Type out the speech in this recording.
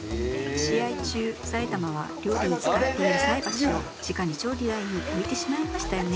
試合中、埼玉は料理に使っている菜箸をじかに調理台に置いてしまいましたよね。